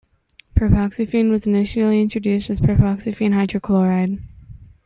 Propoxyphene was initially introduced as propoxyphene hydrochloride.